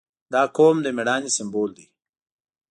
• دا قوم د مېړانې سمبول دی.